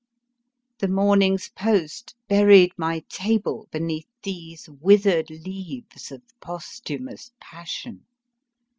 The morning s post buried my table beneath these withered leaves of posthumous pas sion.